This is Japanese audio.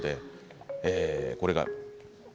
これが。